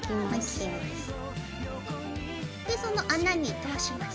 でその穴に通します。